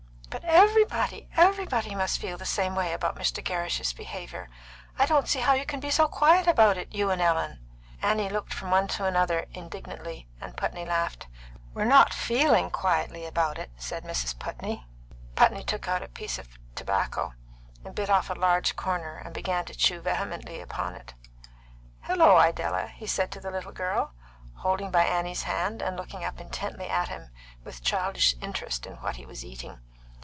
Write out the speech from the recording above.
"But everybody everybody must feel the same way about Mr. Gerrish's behaviour? I don't see how you can be so quiet about it you and Ellen!" Annie looked from one to another indignantly, and Putney laughed. "We're not feeling quietly about it," said Mrs. Putney. Putney took out a piece of tobacco, and bit off a large corner, and began to chew vehemently upon it. "Hello, Idella!" he said to the little girl, holding by Annie's hand and looking up intently at him, with childish interest in what he was eating.